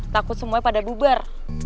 takut semuanya pada bubar